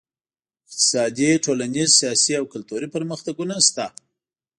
اقتصادي، ټولنیز، سیاسي او کلتوري پرمختګونه شته.